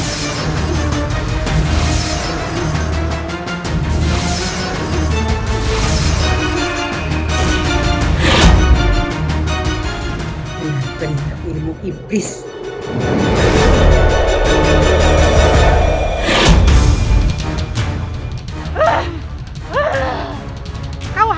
dasar berampuk berampuk musuh